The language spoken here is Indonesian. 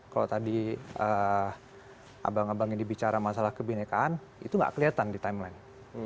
kalau tadi abang abang ini bicara masalah kebinekaan itu gak kelihatan di timeline